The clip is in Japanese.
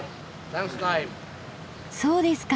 そうですか。